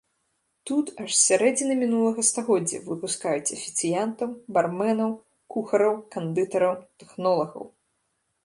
Тут аж з сярэдзіны мінулага стагоддзя выпускаюць афіцыянтаў, барменаў, кухараў, кандытараў, тэхнолагаў.